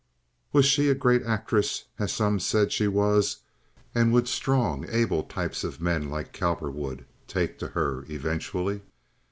Was she a great actress, as some said she was, and would strong, able types of men like Cowperwood take to her—eventually?